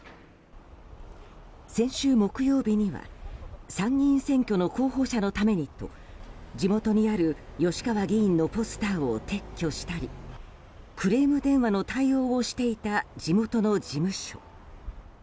先週木曜日には参議院選挙の候補者のためにと地元にある吉川議員のポスターを撤去したりクレーム電話の対応をしていた地元の事務所。